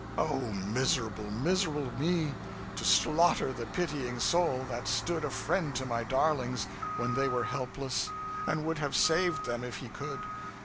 'O, miserable, miserable me, to slaughter the pitying soul that, stood a friend to my darlings when they were helpless, and would have saved them if he could!